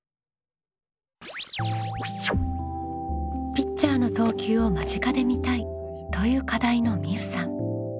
「ピッチャーの投球を間近で見たい」という課題のみうさん。